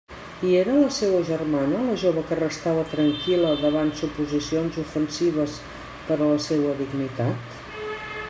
I era la seua germana la jove que restava tranquil·la davant suposicions ofensives per a la seua dignitat?